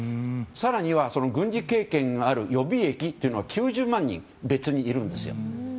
更には、軍事経験がある予備役というのは９０万人別にいるんです。